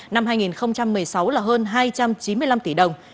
năm hai nghìn một mươi sáu là hơn hai trăm chín mươi năm tỷ đồng